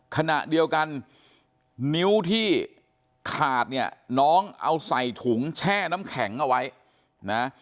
ขณะเดียวกันนิ้วที่ขาดเนี่ยน้องเอาใส่ถุงแช่น้ำแข็งเอาไว้นะ